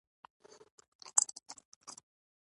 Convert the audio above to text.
• د زړۀ د بوج کمولو لپاره کښېنه.